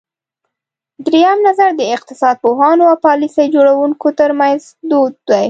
درېیم نظر د اقتصاد پوهانو او پالیسۍ جوړوونکو ترمنځ دود دی.